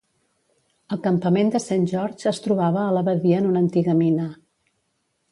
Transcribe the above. El campament de Saint George es trobava a la badia en una antiga mina.